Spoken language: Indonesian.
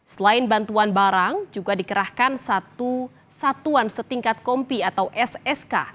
selain bantuan barang juga dikerahkan satu satuan setingkat kompi atau ssk